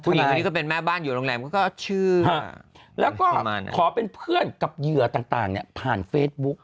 ผู้หญิงคนนี้ก็เป็นแม่บ้านอยู่โรงแรมเขาก็ชื่อแล้วก็ขอเป็นเพื่อนกับเหยื่อต่างเนี่ยผ่านเฟซบุ๊ก